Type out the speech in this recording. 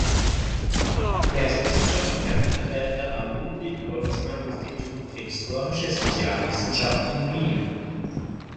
Er ist wissenschaftlicher Mitarbeiter am Ludwig-Boltzmann-Institut für Historische Sozialwissenschaft in Wien.